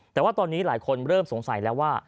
แต่ว่าตอนนี้หลายคนเริ่มสงสัยแล้วว่า